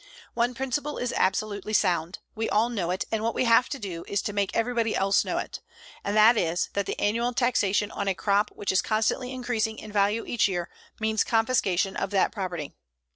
One principle is absolutely sound we all know it, and what we have to do is to make everybody else know it and that is, that the annual taxation on a crop which is constantly increasing in value each year means confiscation of that property.